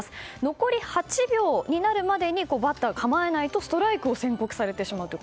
残り８秒になるまでにバッターが構えないとストライクを宣告されてしまうという。